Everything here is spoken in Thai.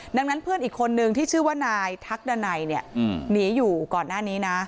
ดังนั้นเพื่อนอีกคนนึงที่ชื่อว่านายทักดันัยเนี่ยหนีอยู่ก่อนหน้านี้นะ